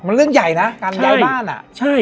มันเรื่องใหญ่นะการย้ายบ้านอ่ะใช่